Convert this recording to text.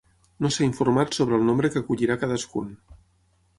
No s’ha informat sobre el nombre que acollirà cadascun.